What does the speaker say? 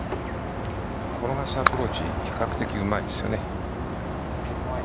転がしのアプローチ比較的うまいですよね。